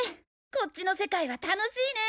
こっちの世界は楽しいね！